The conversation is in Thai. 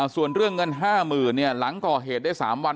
ส่วนเรื่องเงิน๕๐๐๐หลังก่อเหตุได้๓วัน